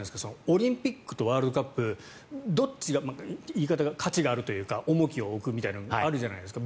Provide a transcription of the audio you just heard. オリンピックとワールドカップどっちが価値があるというか重きを置くみたいなのがあるじゃないですか